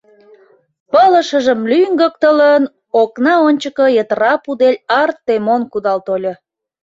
Пылышыжым лӱҥгыктылын, окна ончыко йытыра пудель Артемон кудал тольо.